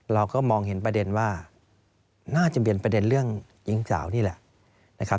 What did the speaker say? เราก็มองเห็นประเด็นว่าน่าจะเป็นประเด็นเรื่องหญิงสาวนี่แหละนะครับ